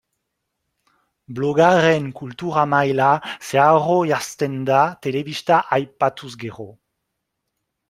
Blogaren kultura maila zeharo jaisten da telebista aipatuz gero.